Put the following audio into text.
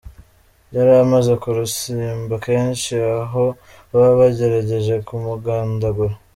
Yari amaze kurusimba kenshi, aho baba bagerageje kumugandagura.